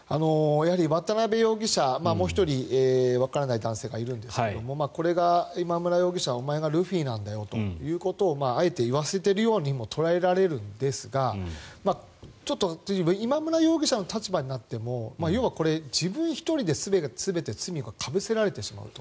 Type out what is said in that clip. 渡邉容疑者もう１人、わからない男性がいるんですけどもこれが今村容疑者お前がルフィなんだよということをあえて言わせているようにも捉えられるんですが今村容疑者の立場になっても要は、自分１人で全て罪をかぶせられてしまう。